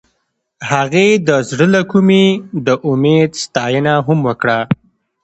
هغې د زړه له کومې د امید ستاینه هم وکړه.